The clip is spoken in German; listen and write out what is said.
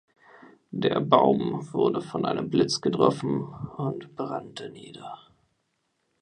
Der Baum wurde von einem Blitz getroffen und brannte nieder.